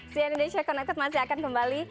cn indonesia connected masih akan kembali